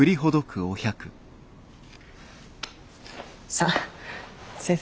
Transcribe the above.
さあ先生